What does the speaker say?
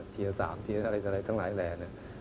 ที๓ทีอะไรทั้งหลายแหล่